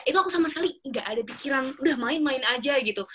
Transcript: itu aku sama sekali gak ada pikiran udah main main aja gitu